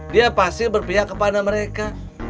dia pasti berpihak kepada mereka